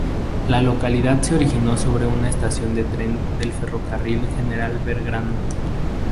La localidad se originó sobre una estación de tren del Ferrocarril General Belgrano.